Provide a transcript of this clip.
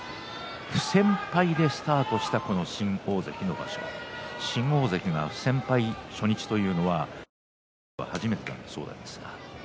不戦敗でスタートしたこの新大関の場所新大関の不戦敗、初日というのは昭和以降では初めてのことです。